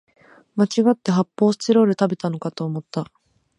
まちがって発泡スチロール食べたのかと思った